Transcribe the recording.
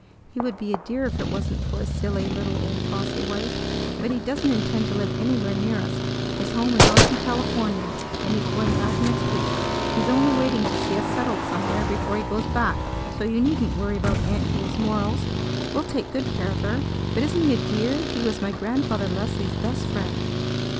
He would be a dear if it wasn't for his silly little old bossy wife! But he doesn't intend to live anywhere near us. His home is off in California, and he's going back next week. He's only waiting to see us settled somewhere before he goes back; so you needn't worry about Aunt Jewel's morals. We'll take good care of her. But isn't he a dear? He was my Grandfather Leslie's best friend."